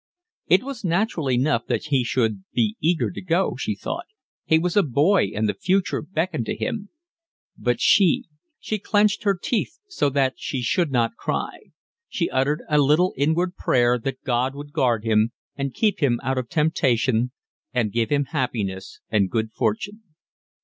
It was natural enough that he should be eager to go, she thought, he was a boy and the future beckoned to him; but she—she clenched her teeth so that she should not cry. She uttered a little inward prayer that God would guard him, and keep him out of temptation, and give him happiness and good fortune.